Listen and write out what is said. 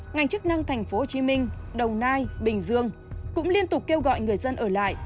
ngành chức năng tp hcm đồng nai bình dương cũng liên tục kêu gọi người dân ở lại